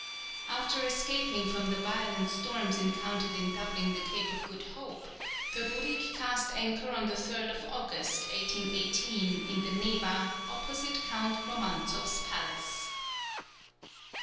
After escaping from the violent storms encountered in doubling the Cape of Good Hope, the Rurik cast anchor on the 3rd August, 1818, in the Neva, opposite Count Romantzoff's palace.